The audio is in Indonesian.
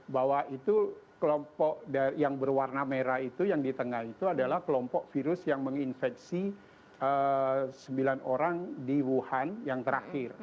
bahwa itu kelompok yang berwarna merah itu yang di tengah itu adalah kelompok virus yang menginfeksi sembilan orang di wuhan yang terakhir